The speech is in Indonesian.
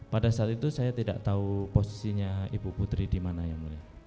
pada saat itu saya tidak tahu posisinya ibu putri di mana yang mulia